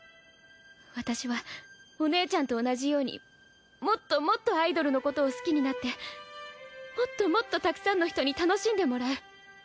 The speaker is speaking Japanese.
私はお姉ちゃんと同じようにもっともっとアイドルのことを好きになってもっともっとたくさんの人に楽しんでもらう。